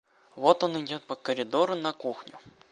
Вот он идет по коридору на кухню.